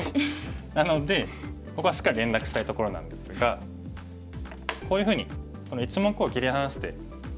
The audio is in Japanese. なのでここはしっかり連絡したいところなんですがこういうふうにこの１目を切り離して。